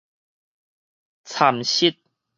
蠶食